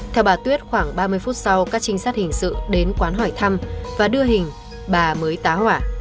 theo bà tuyết khoảng ba mươi phút sau các trinh sát hình sự đến quán hỏi thăm và đưa hình bà mới tá hỏa